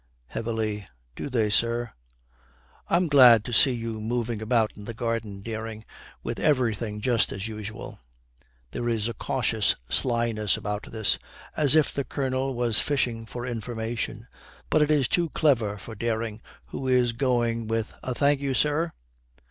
Heavily, 'Do they, sir?' 'I am glad to see you moving about in the garden, Dering, with everything just as usual.' There is a cautious slyness about this, as if the Colonel was fishing for information; but it is too clever for Dering, who is going with a 'Thank you, sir.'